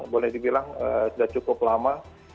boleh dibilang sudah cukup lama